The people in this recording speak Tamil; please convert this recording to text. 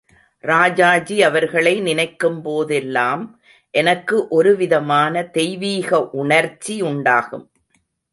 ராஜாஜி அவர்களை நினைக்கும்போதெல்லாம் எனக்கு ஒரு விதமான தெய்வீக உணர்ச்சி உண்டாகும்.